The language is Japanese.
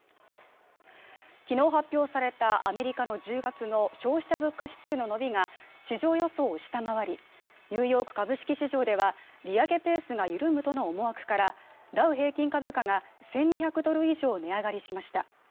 昨日発表されたアメリカの１０月の消費者物価指数の伸びが市場予想を下回りニューヨーク株式市場では利上げペースが緩むとの思惑からダウ平均株価が１２００ドル以上値上がりしました